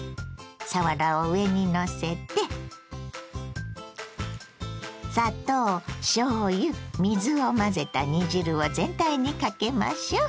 さわらを上にのせて砂糖しょうゆ水を混ぜた煮汁を全体にかけましょう。